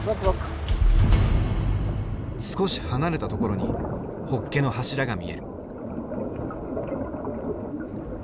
少し離れたところにホッケの柱が見える。